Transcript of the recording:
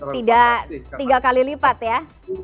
tidak tiga kali lipat ya